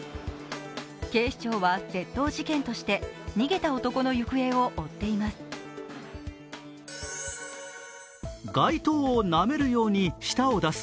警視庁は窃盗事件として逃げた男の行方を追っています。